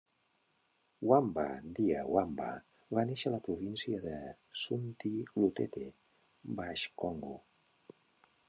Wamba dia Wamba va néixer a la província de Sundi-Lutete, baix-Congo.